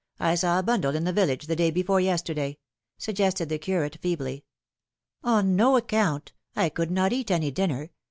I saw a bundle in the village the day before yesterday," suggested the curate feebly. " On no account. I could not eat any dinner.